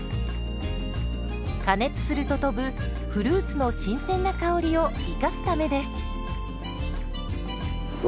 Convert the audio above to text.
加熱すると飛ぶフルーツの新鮮な香りを生かすためです。